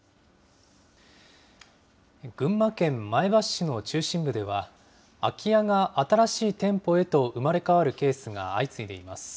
群馬県前橋市の中心部では、空き家が新しい店舗へと生まれ変わるケースが相次いでいます。